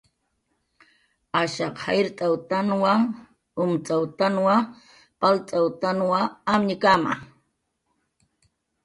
Ashaq jayrt'awtanwa, umt'awtanwa, palt'awtanwa amñkama